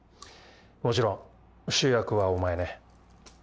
もちろん主役はお前ね。